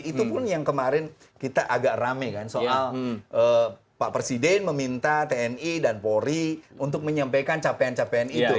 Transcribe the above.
itu pun yang kemarin kita agak rame kan soal pak presiden meminta tni dan polri untuk menyampaikan capaian capaian itu